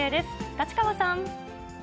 立川さん。